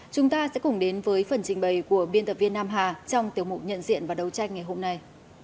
chúng ta sẽ cùng đến với phần trình bày của biên tập viên nam hà trong tiểu mục nhận diện và đấu tranh ngày hôm nay